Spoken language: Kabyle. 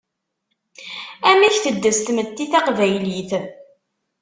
Amek teddes tmetti taqbaylit?